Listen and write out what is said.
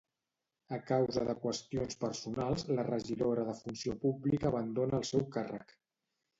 A causa de qüestions personals, la regidora de Funció Pública abandona el seu càrrec.